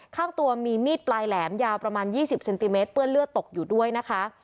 ข้างตัวมีมีดปลายแหลมยาวประมาณ๒๐เซนติเมตรเปื้อนเลือดตกอยู่ด้วยนะคะ